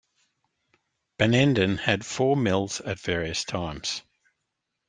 Benenden had four mills at various times.